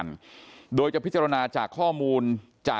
ก็คือเป็นการสร้างภูมิต้านทานหมู่ทั่วโลกด้วยค่ะ